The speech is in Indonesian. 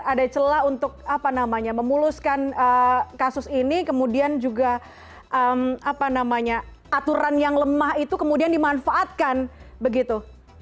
ada celah untuk memuluskan kasus ini kemudian juga aturan yang lemah itu kemudian dimanfaatkan begitu